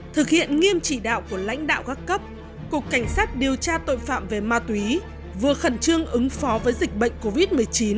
thực hiện nghiêm chỉ đạo của lãnh đạo các cấp cục cảnh sát điều tra tội phạm về ma túy vừa khẩn trương ứng phó với dịch bệnh covid một mươi chín